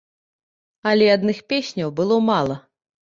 Але адных песняў было мала.